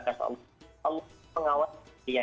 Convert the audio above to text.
allah mengawasi kita